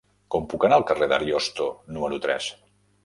Com puc anar al carrer d'Ariosto número tres?